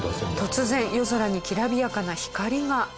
突然夜空に煌びやかな光が。